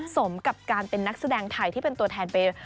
สมกับการเป็นนักแสดงไทยที่เป็นตัวแทนไป